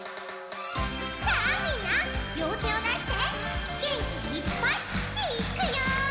さあみんなりょうてをだしてげんきいっぱいいっくよ！